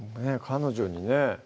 彼女にね